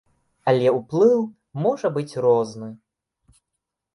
Але ўплыў можа быць розны.